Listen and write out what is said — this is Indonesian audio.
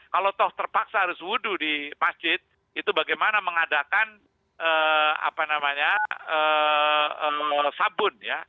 kalau toh terpaksa harus wudhu di masjid itu bagaimana mengadakan sabun ya